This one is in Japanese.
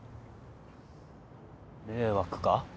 迷惑か？